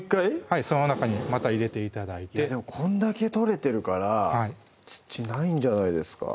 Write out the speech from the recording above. はいその中にまた入れて頂いてこんだけ取れてるから土ないんじゃないですか？